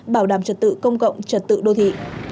bảo đảm trật tự công cộng trật tự đô thị